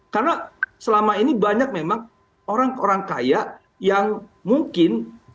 karena selama ini banyak memang orang orang kaya yang mungkin